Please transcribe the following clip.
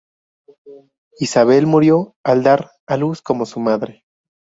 Isabel murió al dar a luz como su madre.